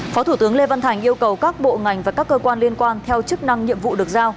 phó thủ tướng lê văn thành yêu cầu các bộ ngành và các cơ quan liên quan theo chức năng nhiệm vụ được giao